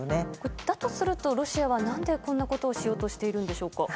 だとすると、ロシアは何でこんなことをしようとしているんでしょうか。